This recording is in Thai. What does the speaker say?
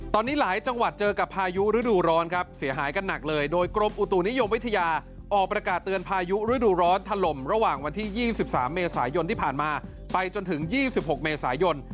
ตอนนี้หลายจังหวัดเจอกับพายุฤดูร้อนครับเสียหายกันหนักเลยโดยกรมอุตุนิยมวิทยาออกประกาศเตือนพายุฤดูร้อนถล่มระหว่างวันที่๒๓เมษายนที่ผ่านมาไปจนถึง๒๖เมษายน